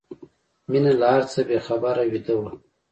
مينه له هر څه بې خبره ویده وه